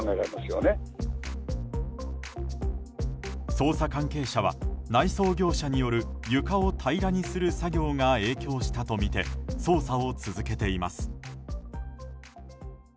捜査関係者は、内装業者による床を平らにする作業が影響したとみて捜査を続けています。